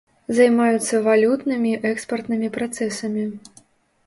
Займаюся валютнымі, экспартнымі працэсамі.